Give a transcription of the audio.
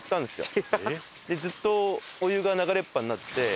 でずっとお湯が流れっぱになってて。